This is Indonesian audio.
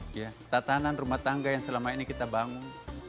tataanan rumah tangga yang selama ini kita bangun